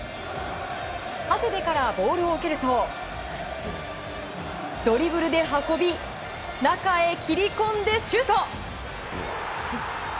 長谷部からボールを受けるとドリブルで運び中へ切り込んでシュート！